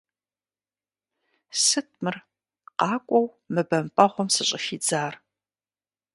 Сыт мыр къакӀуэу мы бэмпӀэгъуэм сыщӀыхидзар?